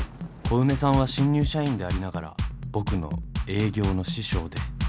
小梅さんは新入社員でありながら僕の営業の師匠で。